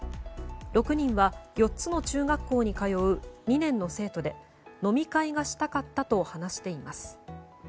６人は４つの中学校に通う２年の生徒で飲み会がしたかったと話しています。